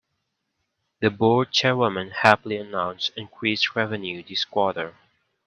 The board chairwoman happily announced increased revenues this quarter.